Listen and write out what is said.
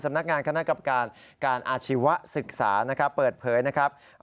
นักงานคณะกรรมการการอาชีวศึกษานะครับเปิดเผยนะครับ